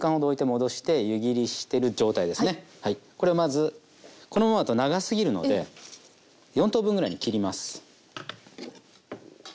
これをまずこのままだと長すぎるので４等分ぐらいに切ります。